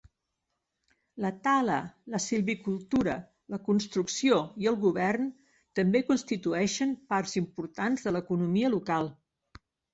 La tala, la silvicultura, la construcció i el govern també constitueixen parts importants de l'economia local.